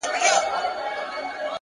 لوړ همت ستړې لارې رڼوي؛